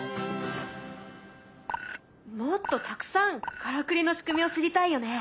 もっとたくさんからくりの仕組みを知りたいよね。